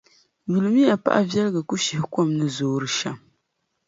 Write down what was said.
Yulimiya paɣiviɛligakushihikom ni zoori shɛm.